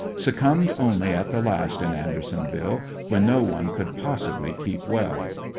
Succumbed only at the last in Andersonville, when no one could possibly keep well.